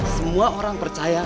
semua orang percaya